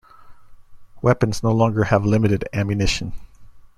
Weapons no longer have limited ammunition.